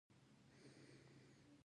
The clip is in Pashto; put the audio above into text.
هغوی د تعلیم اجازه راتلونکې ته اچوله.